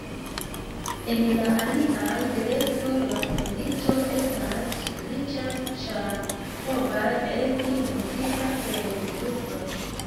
En la alia direkto, la kondiĉo estas sufiĉa, ĉar povas esti montrita per indukto.